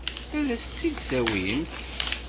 Ad as-tt-id-tawimt?